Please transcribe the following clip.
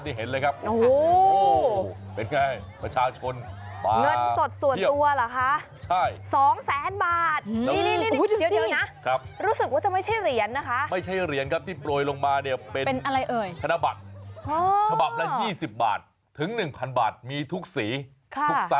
นี้เห็นเลยครับโอ้โหเป็นไงประชาชนเงินสดส่วนตัวเหรอคะ